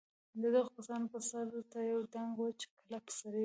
د دغو کسانو بر سر ته یوه دنګ وچ کلک سړي و.